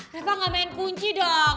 bapak gak main kunci dong